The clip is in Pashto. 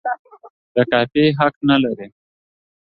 د کاپي حق نه لري.